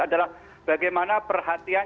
adalah bagaimana perhatian